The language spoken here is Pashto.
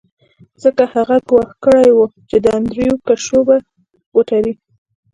ځکه هغه ګواښ کړی و چې د انډریو کشو به وتړي